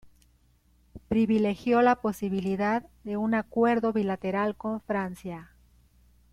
Privilegió la posibilidad de un acuerdo bilateral con Francia.